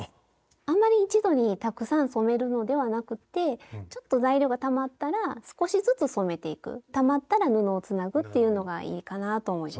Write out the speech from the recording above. あまり一度にたくさん染めるのではなくてちょっと材料がたまったら少しずつ染めていくたまったら布をつなぐっていうのがいいかなと思います。